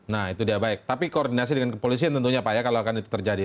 nah itu dia baik tapi koordinasi dengan kepolisian tentunya pak ya kalau akan itu terjadi